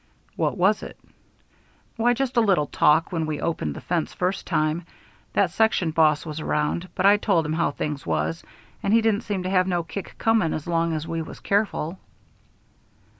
"What was it?" "Why, just a little talk when we opened the fence first time. That section boss was around, but I told him how things was, and he didn't seem to have no kick coming as long as we was careful."